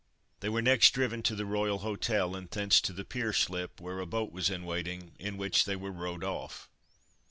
They were next driven to the Royal Hotel and thence to the Pier Slip, where a boat was in waiting, in which they were rowed off.